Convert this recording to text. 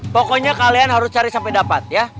pokoknya kalian harus cari sampai dapat ya